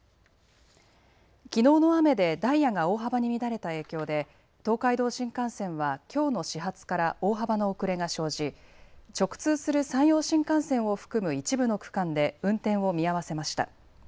きのうの雨でダイヤが大幅に乱れた影響で、東海道新幹線はきょうの始発から大幅な遅れが生じ、直通する山陽新幹線を含む一部の区間で運転を見合わせました。